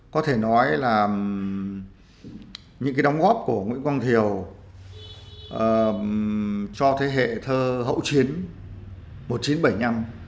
có thể nói là những cái đóng góp của nguyễn quang thiều cho thế hệ thơ hậu chiến một nghìn chín trăm bảy mươi năm